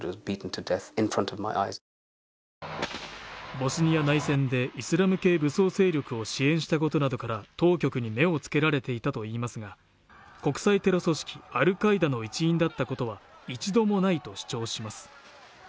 ボスニア内戦でイスラム系武装勢力を支援したことなどから当局に目をつけられていたといいますが、国際テロ組織アルカイダの一員だったことは一度もないと主張します。